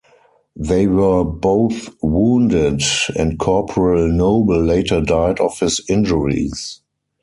They were both wounded, and Corporal Noble later died of his injuries.